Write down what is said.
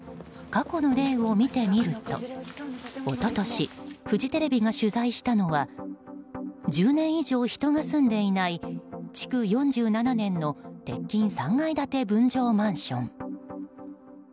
過去の例を見てみると一昨年、フジテレビが取材したのは１０年以上、人が住んでいない築４７年の鉄筋３階建て分譲マンション。